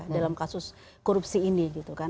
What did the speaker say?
dalam kasus korupsi ini